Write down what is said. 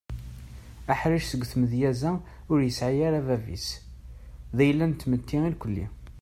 Aḥric seg tmedyaz-a ur yesɛi ara bab-is d ayla n tmetti irkeli.